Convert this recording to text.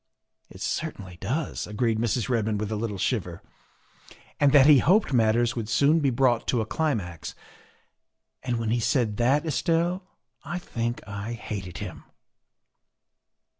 " It certainly does," agreed Mrs. Redmond with a little shiver. "And that he hoped matters would soon be brought to a climax. And when he said that, Estelle, I think I hated him."